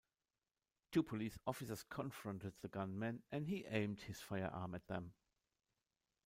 Two police officers confronted the gunman, and he aimed his firearm at them.